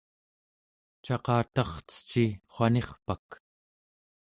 caqatarceci wanirpak?